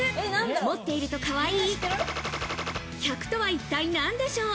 持っているとかわいい１００とは一体なんでしょう。